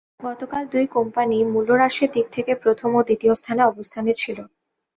গতকাল দুই কোম্পানিই মূল্যহ্রাসের দিক থেকে প্রথম ও দ্বিতীয় অবস্থানে ছিল।